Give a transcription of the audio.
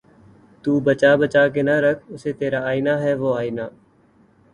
تو بچا بچا کے نہ رکھ اسے ترا آئنہ ہے وہ آئنہ